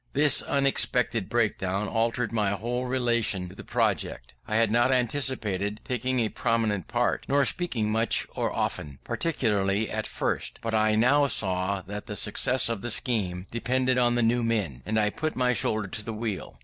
This unexpected breakdown altered my whole relation to the project. I had not anticipated taking a prominent part, or speaking much or often, particularly at first, but I now saw that the success of the scheme depended on the new men, and I put my shoulder to the wheel.